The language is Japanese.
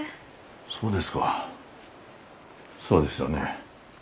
そうですかそうですよね。